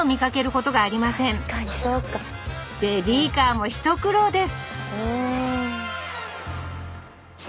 ベビーカーも一苦労です